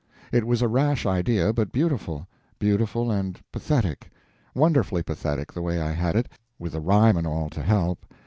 It was a rash idea, but beautiful; beautiful and pathetic; wonderfully pathetic, the way I had it, with the rhyme and all to help.